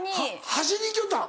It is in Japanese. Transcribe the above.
走りに行きよったん？